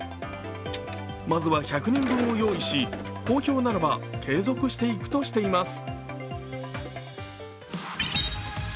まずは１００人分を用意し好評ならば継続していくとしています。